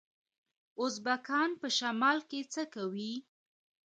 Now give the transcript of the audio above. ازبکان په شمال کې څه کوي؟